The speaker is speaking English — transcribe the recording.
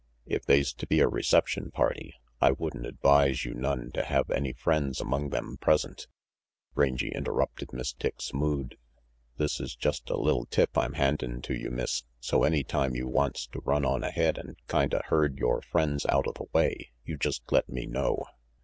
" If they's to be a reception party, I would'n advise you none to have any friends among them present," Rangy interrupted Miss Dick's mood. "This's just a li'l tip I'm handin' to you, Miss, so any time you wants to run on ahead and kinda herd yore friends outa the way, you just let me know."